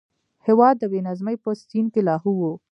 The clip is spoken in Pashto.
هېواد د بې نظمۍ په سین کې لاهو و.